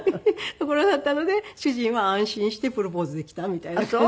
ところだったので主人は安心してプロポーズできたみたいな感じで。